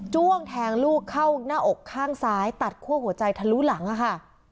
้วงแทงลูกเข้าหน้าอกข้างซ้ายตัดคั่วหัวใจทะลุหลังค่ะ